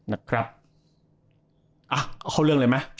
อะเข้าเรื่องเลยไหม